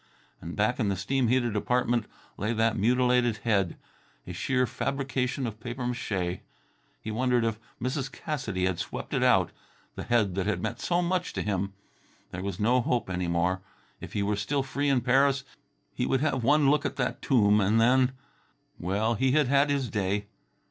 And back in the steam heated apartment lay that mutilated head, a sheer fabrication of papier mâché. He wondered if Mrs. Cassidy had swept it out ... the head that had meant so much to him. There was no hope any more. If he were still free in Paris he would have one look at that tomb, and then ... well, he had had his day.